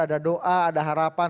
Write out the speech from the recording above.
ada doa ada harapan